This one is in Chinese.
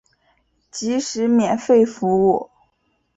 即使免费服务